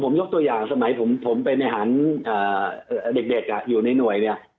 ผมยกตัวอย่างสมัยผมเป็นอาหารเด็กอยู่ในหน่วยเนี่ย